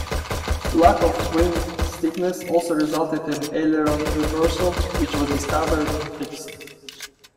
Lack of wing stiffness also resulted in aileron reversal which was discovered and fixed.